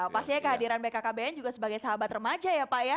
pastinya kehadiran bkkbn juga sebagai sahabat remaja ya pak ya